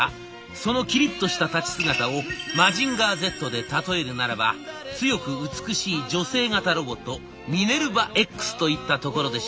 そのキリッとした立ち姿を「マジンガーＺ」で例えるならば強く美しい女性型ロボットミネルバＸといったところでしょうか。